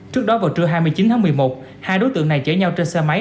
trước đó vào trưa hai mươi chín tháng một mươi một hai đối tượng này chở nhau trên xe máy